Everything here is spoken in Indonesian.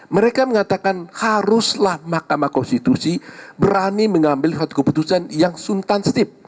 mereka mengatakan haruslah mk berani mengambil satu keputusan yang suntan setib